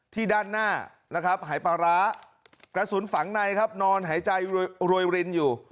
ด้านหน้านะครับหายปลาร้ากระสุนฝังในครับนอนหายใจรวยรินอยู่